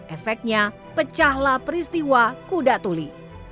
efeknya pecahlah peristiwa kuda tuli